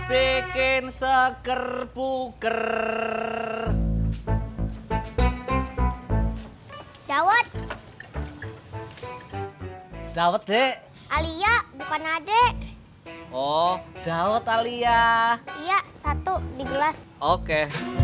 seger seger buker dawet dawet dek alia bukan adek oh daot alia iya satu di gelas oke